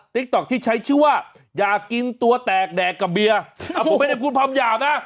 ติ๊กต๊อกที่ใช้ชื่อว่าอยากกินตัวแตกแดกกับเบียร์ผมไม่ได้พูดคำหยาบนะ